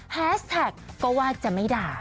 แฮสแท็กก็ว่าจะไม่ด่า